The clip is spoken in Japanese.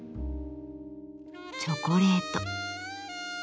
チョコレート。